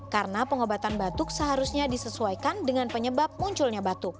karena pengobatan batuk seharusnya disesuaikan dengan penyebab munculnya batuk